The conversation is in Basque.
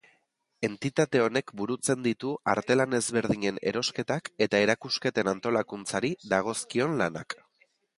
Entitate honek burutzen ditu artelan ezberdinen erosketak eta erakusketen antolakuntzari dagozkion lanak.